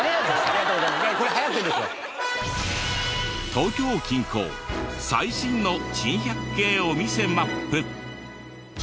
東京近郊最新の珍百景お店マップ。